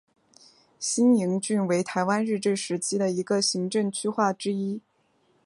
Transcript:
新营郡为台湾日治时期的行政区划之一。